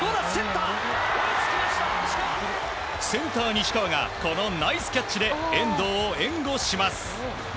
センター、西川がこのナイスキャッチで遠藤を援護します。